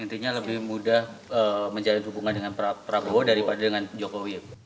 intinya lebih mudah menjalin hubungan dengan prabowo daripada dengan jokowi